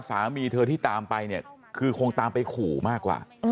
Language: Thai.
สามีเธอที่ตามไปเนี่ยคือคงตามไปขู่มากกว่า